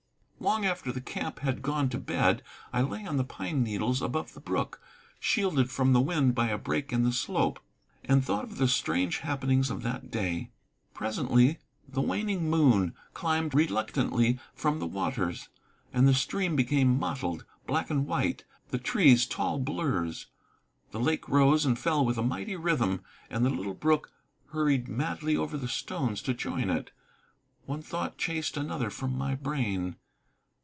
Long after the camp had gone to bed, I lay on the pine needles above the brook, shielded from the wind by a break in the slope, and thought of the strange happenings of that day. Presently the waning moon climbed reluctantly from the waters, and the stream became mottled, black and white, the trees tall blurs. The lake rose and fell with a mighty rhythm, and the little brook hurried madly over the stones to join it. One thought chased another from my brain.